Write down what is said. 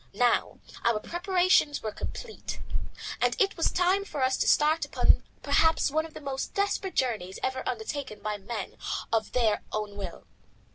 Now our preparations were complete, and it was time for us to start upon perhaps one of the most desperate journeys ever undertaken by men of their own will.